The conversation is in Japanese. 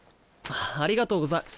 ありがとうござ。